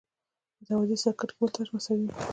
متوازي سرکټ کې ولټاژ مساوي وي.